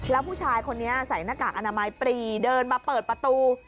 แล้วผู้ชายคนนี้ใส่หน้ากากอนามัยปรีเดินมาเปิดประตู